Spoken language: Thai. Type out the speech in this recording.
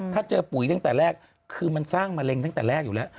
ถ้าเจอปุ๋ยตั้งแต่แรกคือมันสร้างมะเร็งตั้งแต่แรกอยู่แล้ว